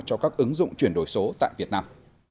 cho các ứng dụng chuyển đổi số tại việt nam